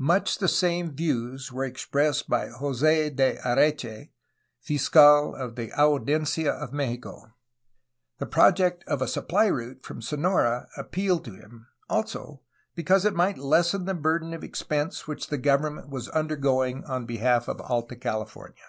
Much the same views were ex pressed by Jos6 de Areche, fiscal of the Audiencia of Mexico. The project of a supply route from Sonora appealed to him, also, because it might lessen the burden of expense PRECARIOUS FOOTING OF THE EARLY SETTLEMENTS 253 which the government was undergoing on behalf of Alta Cahfornia.